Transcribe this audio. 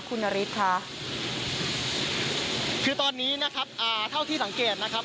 คุณนฤทธิ์ค่ะคือตอนนี้นะครับอ่าเท่าที่สังเกตนะครับ